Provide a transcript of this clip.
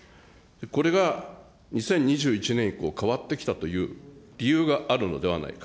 これが２０２１年以降変わってきたという理由があるのではないか。